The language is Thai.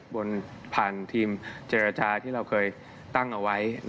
ผ่านทีมเจรจาที่เราเคยตั้งเอาไว้